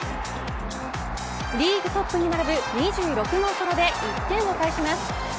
リーグトップに並ぶ２６号ソロで１点を返します。